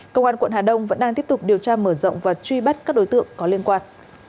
cơ quan hà đông vẫn đang tiếp tục điều tra mở rộng và truy bắt các đối tượng có liên quan